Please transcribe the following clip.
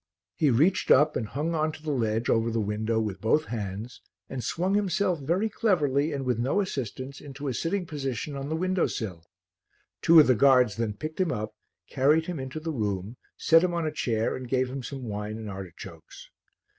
He reached up and hung on to the ledge over the window with both hands and swung himself very cleverly and with no assistance into a sitting position on the window sill; two of the guards then picked him up, carried him into the room, set him on a chair and gave him some wine and artichokes.